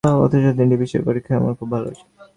অথচ তিনটি বিষয়ের পরীক্ষাই আমার খুব ভালো হয়েছিল।